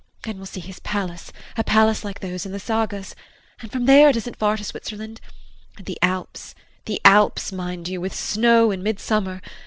Then we'll see his palace a palace like those in the Sagas and from there it isn't far to Switzerland and the Alps, the Alps mind you with snow in mid summer.